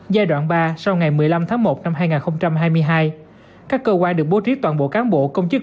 giai đoạn ba sau ngày một mươi năm tháng một năm hai nghìn hai mươi hai các cơ quan được bố trí toàn bộ cán bộ công chức